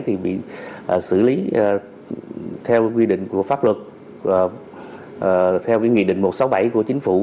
thì bị xử lý theo quy định của pháp luật theo cái nghị định một trăm sáu mươi bảy của chính phủ